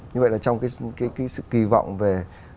như vậy là trong cái kỳ vọng về